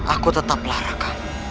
aku tetap melahirkan